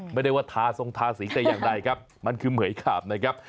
ไม่ได้ว่าทาทรงทาสีแต่อย่างใดครับมันคือเหมือยขาบนะครับ